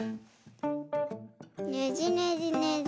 ねじねじねじ。